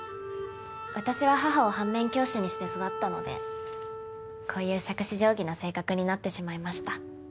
私は母を反面教師にして育ったのでこういう杓子定規な性格になってしまいました。